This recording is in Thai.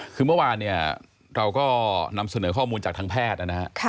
คือเมื่อวานเนี่ยเราก็นำเสนอข้อมูลจากทางแพทย์นะฮะ